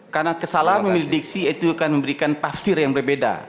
karena kesalahan memilih diksi itu akan memberikan tafsir yang berbeda